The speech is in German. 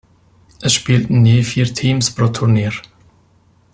Es spielten je vier Teams pro Turnier.